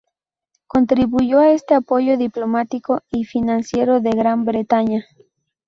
Contribuyó a este apoyo diplomático y financiero de Gran Bretaña.